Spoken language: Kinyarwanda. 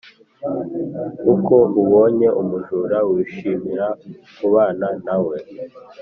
Uko ubonye umujura wishimira kubana na we.